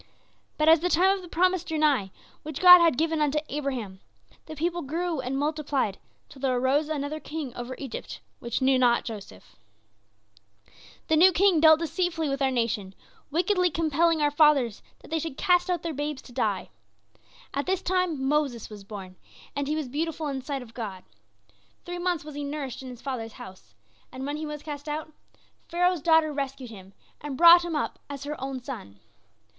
"But as the time of the promise drew nigh, which God had given unto Abraham, the people grew and multiplied, till there arose another king over Egypt which knew not Joseph. "The new king dealt deceitfully with our nation, wickedly compelling our fathers that they should cast out their babes to die. At this time Moses was born, and he was beautiful in the sight of God. Three months was he nourished in his father's house, and when he was cast out, Pharaoh's daughter rescued him and brought him up as her own son.